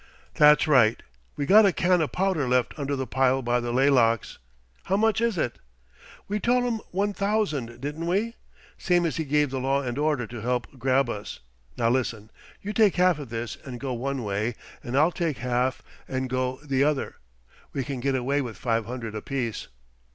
"That's right. We got a can o' powder left under the pile by the laylocks. How much is it?" "We tol' him one thousand, didn't we? Same as he give the Law and Order to help grab us. Now, listen! You take half of this and go one way, an' I'll take half an' go the other. We can get away with five hundred apiece."